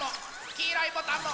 きいろいボタンも。